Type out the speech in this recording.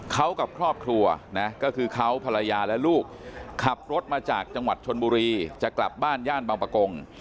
เขากับครอบครัวนะก็คือเขาภรรยาและลูกขับรถมาจากจังหวัดชนบุรีจะกลับบ้านย่านบางประกง